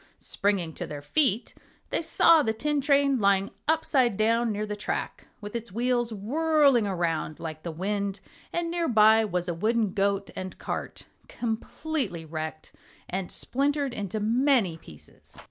Springing to their feet they saw the tin train lying upside down near the track, with its wheels whirling around like the wind, and near by was a wooden goat and cart, completely wrecked and splintered into many pieces.